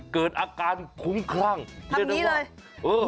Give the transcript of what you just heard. เกิดอาการคุ้มครั้งเรียนเรียกว่าทำนี้เลย